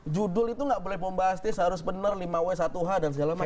judul itu nggak boleh membahastis harus benar lima w satu h dan segala macam